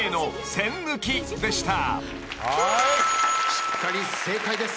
しっかり正解です